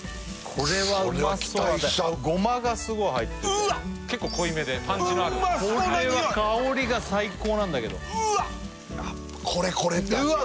それは期待しちゃうゴマがすごい入っててうわっ結構濃いめでパンチのあるうまそうなにおいこれは香りが最高なんだけどうわっこれこれって感じうわ